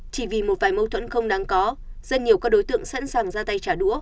chỉ vì một vài mâu thuẫn không đáng có rất nhiều các đối tượng sẵn sàng ra tay trả đũa